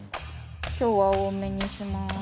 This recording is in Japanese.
今日は多めにします。